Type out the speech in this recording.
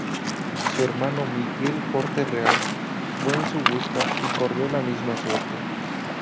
Su hermano Miguel Corte Real fue en su busca y corrió la misma suerte.